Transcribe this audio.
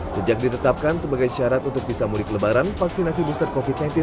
sejak ditetapkan sebagai syarat untuk bisa mudik lebaran vaksinasi booster covid sembilan belas